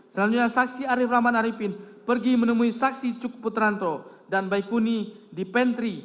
selanjutnya saksi arief rahman arifin pergi menemui saksi cuk putranto dan baikuni di pentry